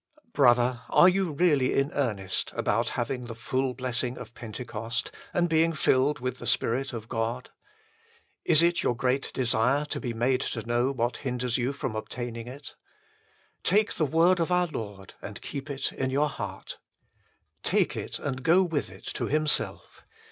Brother, are you really in earnest about having the full blessing of Pentecost and being filled with the Spirit of God ? Is it your great desire to be made to know what hinders you 76 THE FULL BLESSING OF PENTECOST from obtaining it ? Take the word of our Lord and keep it in your heart. Take it and go with it to Himself.